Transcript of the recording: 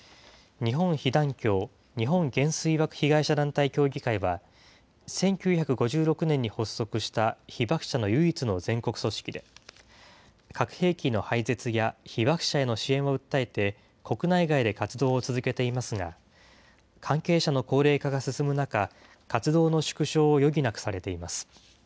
日本被団協・日本原水爆被害者団体協議会は１９５６年に発足した被爆者の唯一の全国組織で、核兵器の廃絶や被爆者への支援を訴えて、国内外で活動を続けていますが、関係者の高齢化が進む中、活動の縮小を余儀なくされています。